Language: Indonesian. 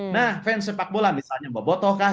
nah fans sepak bola misalnya boboto kah